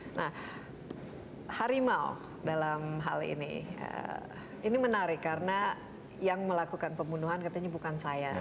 nah harimau dalam hal ini ini menarik karena yang melakukan pembunuhan katanya bukan saya